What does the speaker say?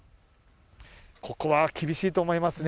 ここは厳しいと思いますね。